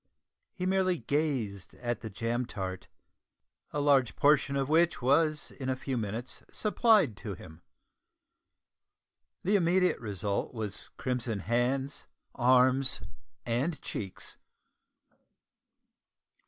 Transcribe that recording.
He merely gazed at the jam tart, a large portion of which was in a few minutes supplied to him. The immediate result was crimson hands, arms, and cheeks.